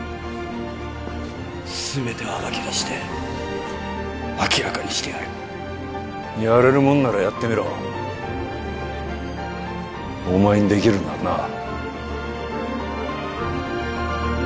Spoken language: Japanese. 全てを暴きだして明らかにしてやるやれるもんならやってみろお前にできるならな